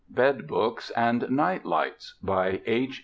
BED BOOKS AND NIGHT LIGHTS By H.